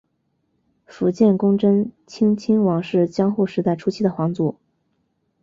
伏见宫贞清亲王是江户时代初期的皇族。